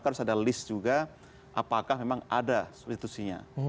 apakah list juga apakah memang ada substitusinya